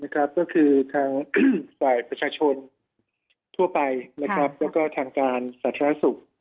ก็คือทางฝ่ายประชาชนทั่วไปแล้วก็ทางการสาธารณสุข